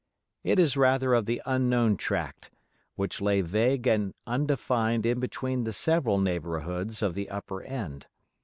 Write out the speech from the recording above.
It is rather of the unknown tract, which lay vague and undefined in between the several neighborhoods of the upper end.